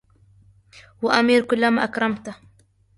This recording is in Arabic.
وأمير كلما أكرمته